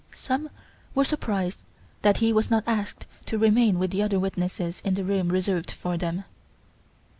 Some were surprised that he was not asked to remain with the other witnesses in the room reserved for them.